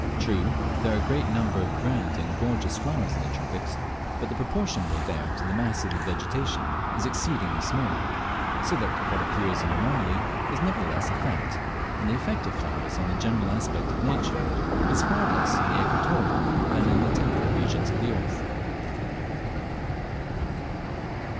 True, there are a great number of grand and gorgeous flowers in the tropics, but the proportion they bear to the mass of the vegetation is exceedingly small; so that what appears an anomaly is nevertheless a fact, and the effect of flowers on the general aspect of nature is far less in the equatorial than in the temperate regions of the earth.